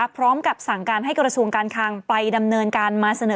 พร้อมกับสั่งการให้กระทรวงการคังไปดำเนินการมาเสนอ